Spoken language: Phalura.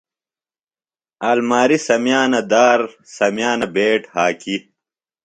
آلماریۡ سمیانہ دار، سمیانہ بیٹ ہاکی